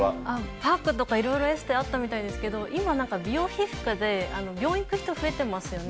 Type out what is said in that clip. パックとかいろいろエステあったみたいですけど、今なんか、美容皮膚科で病院に行く人増えてますよね。